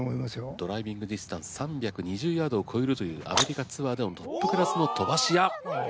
ドライビングディスタンス３２０ヤードを超えるというアメリカツアーでもトップクラスの飛ばし屋。